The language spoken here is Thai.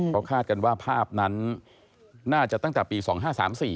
เขาคาดกันว่าภาพนั้นน่าจะตั้งแต่ปี๒๕๓๔อะ